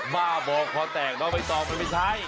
บ้าบอกพอแตกแล้วไม่ต้องมันไม่ใช่